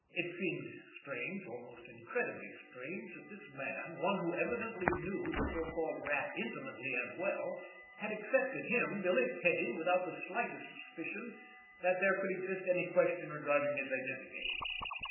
It seemed strange, almost incredibly strange that this man, one who evidently knew the so called Rat intimately and well, had accepted him, Billy Kane, without the slightest suspicion that there could exist any question regarding his identity.